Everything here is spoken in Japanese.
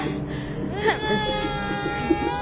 うん！